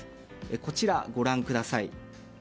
こちら、ご覧ください。